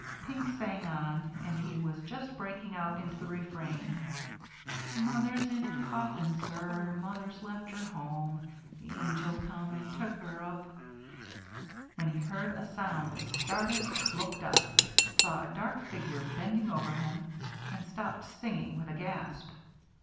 Pink sang on; and he was just breaking out into the refrain, —'Mother's in her coffiin, sir. Mother's left her home ; The ainjuUs come and took her up —'" when he heard a sound, started, looked up, saw a dark figure bending over him, and stopped singing with a gasp.